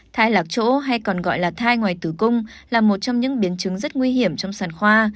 thai lạc chỗ hay còn gọi là thai ngoài tử cung là một trong những biến chứng rất nguy hiểm trong sản khoa